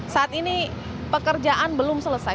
saat ini pekerjaan belum selesai